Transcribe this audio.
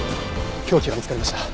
凶器が見つかりました。